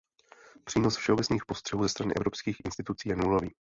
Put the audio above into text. Přínos všeobecných postřehů ze strany evropských institucí je nulový.